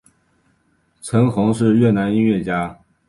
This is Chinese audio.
陈桓是越南音乐家。